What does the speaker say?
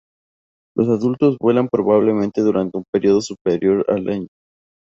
Los adultos vuelan probablemente durante un periodo superior al año.